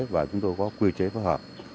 và chúng tôi có quy trình